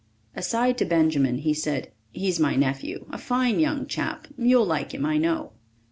Aside to Benjamin he said, "He's my nephew a fine young chap. You'll like him, I know."